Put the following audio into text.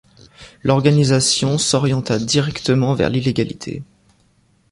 L’organisation s’orienta directement vers l’illégalité.